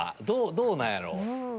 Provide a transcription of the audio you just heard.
どうなんやろ。